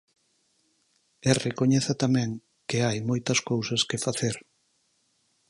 E recoñeza tamén que hai moitas cousas que facer.